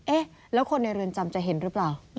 เอ๊ะแล้วคนในเรือนจำจะเห็นหรือเปล่า